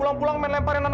nona mau pergi kemana ya